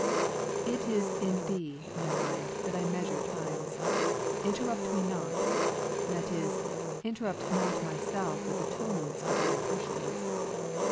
j 36. It is in thee, my mind, that I measure times. Interrupt me not, that is, interrupt not thyself with the tumults of thy impressions.